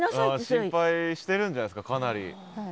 心配してるんじゃないですかかなり。